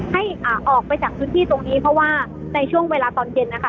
ให้อ่าออกไปจากพื้นที่ตรงนี้เพราะว่าในช่วงเวลาตอนเย็นนะคะ